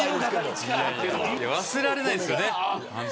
忘れられないですね。